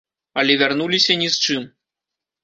Але вярнуліся ні з чым.